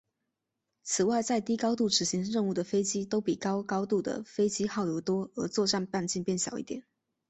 此外在低高度执行任务的飞机都比高高度的飞行耗油多而作战半径变小一点。